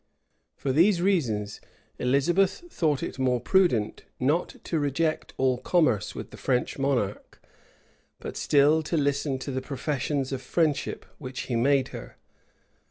For these reasons Elizabeth thought it more prudent not to reject all commerce with the French monarch, but still to listen to the professions of friendship which he made her.